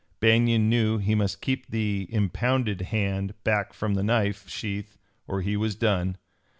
Banion knew he must keep the impounded hand back from the knife sheath or he was done.